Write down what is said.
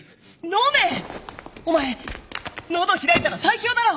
お前喉開いたら最強だろ！